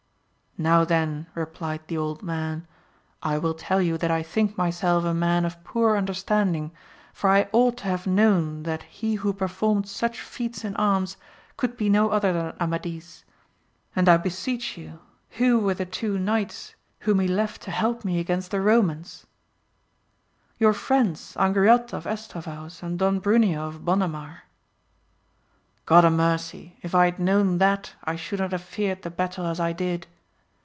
Now then, replied the old man, I will tell you that I think myself a man of poor under standing, for I ought to have known thai he who per formed such feats in arms could be no other than Amadis. And I beseech you, who were the two VOL. m. ^ 114 AMADIS OF GAUL. knights whom he left to help me against the Somanflt — ^Your friends Angriote of Estravaus, and Don Bru neo of Bonamar. — Grod a mercy ! if I had known that, I should not have feared the battle as I did.